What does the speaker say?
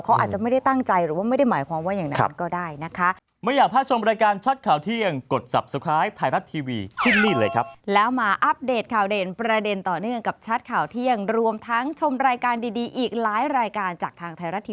เขาอาจจะไม่ได้ตั้งใจหรือว่าไม่ได้หมายความว่าอย่างนั้นก็ได้นะคะ